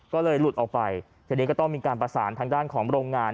ก็เลยหลุดออกไปทีนี้ก็ต้องมีการประสานทางด้านของโรงงาน